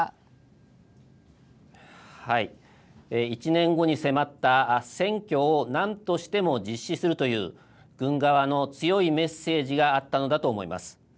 １年後に迫った選挙を何としても実施するという軍側の強いメッセージがあったのだと思います。